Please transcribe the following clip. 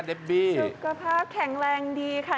สุขภาพแข็งแรงดีค่ะ